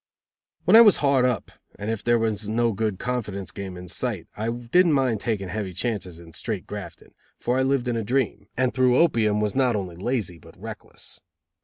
When I was hard up, and if there was no good confidence game in sight, I didn't mind taking heavy chances in straight grafting; for I lived in a dream, and through opium, was not only lazy, but reckless.